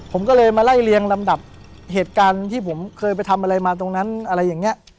ผมก็เลยมาไล่เลี่ยงธับเหตุการณ์ที่ผมเคยไปทำอะไรมาตรงนั้น